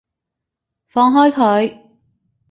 放開佢！